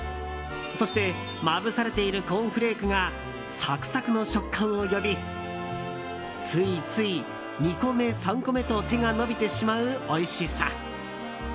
そして、まぶされているコーンフレークがサクサクの食感を呼びついつい２個目、３個目と手が伸びてしまうおいしさ。